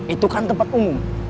itu kan tempat umum